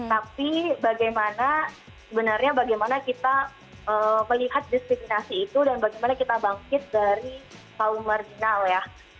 tapi bagaimana sebenarnya bagaimana kita melihat diskriminasi itu dan bagaimana kita bangkit dari kaum marginal ya